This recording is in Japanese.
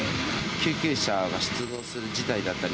救急車が出動する事態だったり、